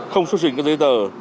không xuất trình các giấy tờ